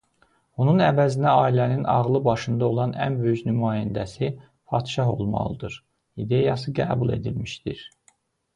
Onun əvəzinə "Ailənin ağlı başında olan ən böyük nümayəndəsi padşah olmalıdır" ideyası qəbul edilmişdir.